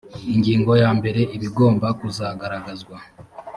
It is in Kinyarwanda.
ingingo ya mbere ibigomba kugaragazwa